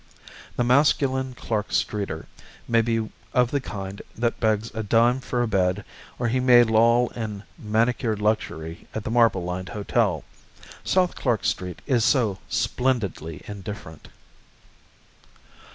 The masculine Clark Streeter may be of the kind that begs a dime for a bed, or he may loll in manicured luxury at the marble lined hotel. South Clark Street is so splendidly indifferent.